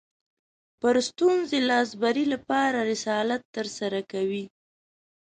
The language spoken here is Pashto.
پر ستونزې لاسبري لپاره رسالت ترسره کوي